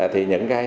thì những cái